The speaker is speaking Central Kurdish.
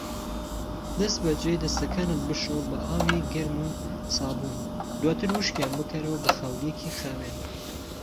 دەستبەجی دەستەکانت بشۆ بە ئاوی گەرم و سابوون، دواتر وشکیان بکەرەوە بە خاولیەکی خاوین.